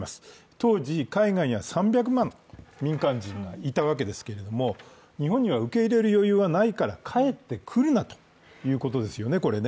当時、海外には３００万の民間人がいたわけですが、日本には受け入れる余裕がないから帰ってくるなということですよね。